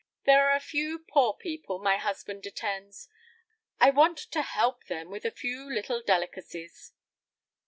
"There are a few poor people my husband attends. I want to help them with a few little delicacies."